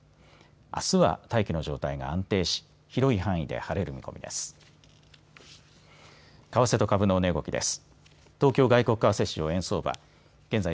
あすは大気の状態が安定し広い範囲で晴れる見込みです。